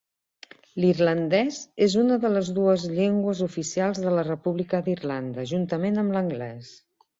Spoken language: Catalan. L'irlandès és una de les dues llengües oficials de la República d'Irlanda juntament amb l'anglès.